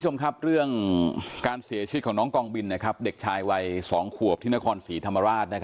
คุณผู้ชมครับเรื่องการเสียชีวิตของน้องกองบินเด็กชายวัย๒ขวบที่นครศรีธรรมราช